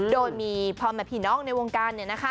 โดยมีพ่อแม่พี่น้องในวงการเนี่ยนะคะ